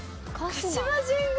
鹿島神宮！